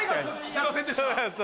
すいませんでした！